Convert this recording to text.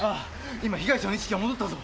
今被害者の意識が戻ったぞ。